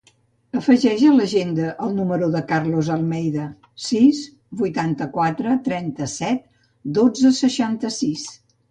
Afegeix a l'agenda el número del Carlos Almeida: sis, vuitanta-quatre, trenta-set, dotze, seixanta-sis.